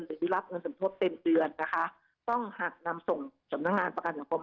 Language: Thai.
หรือได้รับเงินสมทบเต็มเดือนนะคะต้องหากนำส่งสำนักงานประกันสังคม